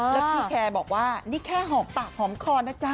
แล้วพี่แคร์บอกว่านี่แค่หอมปากหอมคอนะจ๊ะ